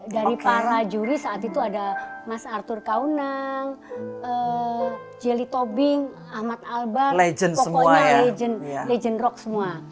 dari para juri saat itu ada mas arthur kaunang jelly tobing ahmad albar pokoknya legend rock semua